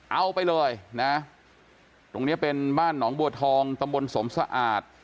เอาไปเลยนะตรงนี้เป็นบ้านหนองบัวทองตำบลสมสะอาด